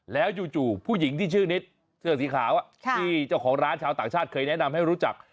แล้วจู่ผู้หญิงที่ชื่อนิดเสื้อสีขาวที่เจ้าของร้านชาวต่างชาติเคยแนะนำให้รู้จัก